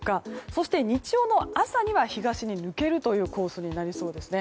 そして、日曜の朝には東に抜けるというコースになりそうです。